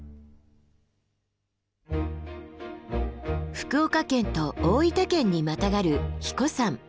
福岡県と大分県にまたがる英彦山。